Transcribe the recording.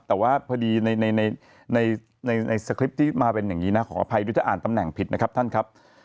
แต่นายในสคริปที่มาจะอ่านตำแหน่งผิดนะครับ